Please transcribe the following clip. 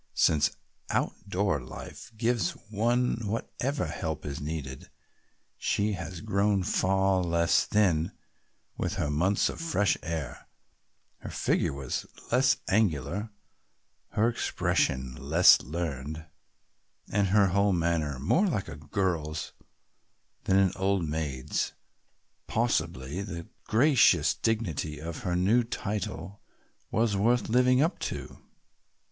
Since outdoor life gives one whatever help is needed, she had grown far less thin with her months of fresh air, her figure was less angular, her expression less learned and her whole manner more like a girl's than an old maid's. Possibly the gracious dignity of her new title was also worth living up to.